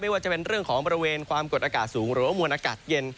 ว่าจะเป็นเรื่องของบริเวณความกดอากาศสูงหรือว่ามวลอากาศเย็น